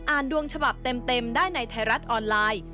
ดวงฉบับเต็มได้ในไทยรัฐออนไลน์